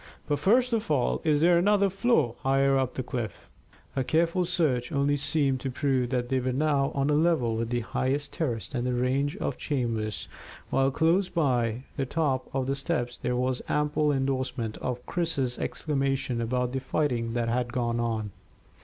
But first of all, is there another floor higher up the cliff?" A careful search only seemed to prove that they were now on a level with the highest terrace and range of chambers, while close by the top of the steps there was ample endorsement of Chris's exclamation about the fighting that had gone on.